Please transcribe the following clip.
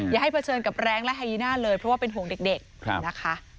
อย่าให้เผชิญกับแรงและไฮยีน่าเลยเพราะว่าเป็นห่วงเด็กนะคะ